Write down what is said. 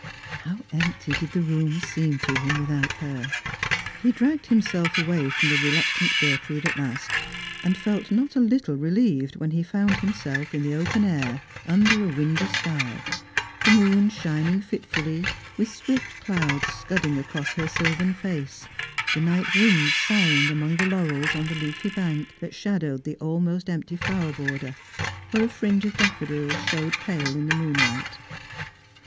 How empty did the room seem to him without her ! He dragged himself away from the reluctant Gertrude at last, and felt not a little relieved when he found himself in the open air, under a windy sky ; the moon shining fitfully, with swift clouds scudding across her silvern face, the night winds sighing among the laurels on the leaty bank that shadowed the almost empty flower border, where a fringe of daffodils showed pale in the moonlight.